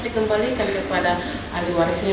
dikembalikan kepada ahli warisnya